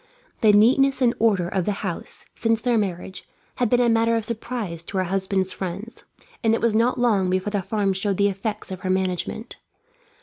The neatness and order of the house, since their marriage, had been a matter of surprise to her husband's friends; and it was not long before the farm showed the effects of her management.